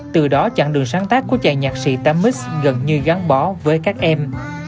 từ đó chặng đường sáng tác của chàng nhạc sĩ tam mix gần như gắn bó với các em